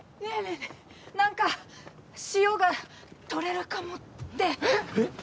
え何か塩がとれるかもってえっ